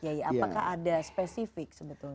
apakah ada spesifik sebetulnya